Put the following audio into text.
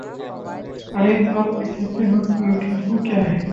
ہر ایک بات پہ کہتے ہو تم کہ تو کیا ہے